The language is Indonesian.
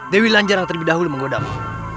dewi lanjar yang terlebih dahulu menggoda mu